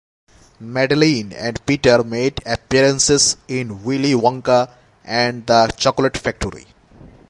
Madeline and Peter made appearances in "Willy Wonka and the Chocolate Factory".